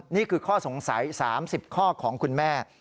นี่คือข้อสงสัย๓๐ข้อของคุณแม่